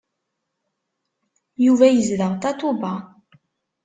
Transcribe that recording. Yuba izdeɣ Tatoeba!